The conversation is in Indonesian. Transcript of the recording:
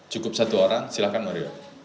cukup satu orang silahkan mario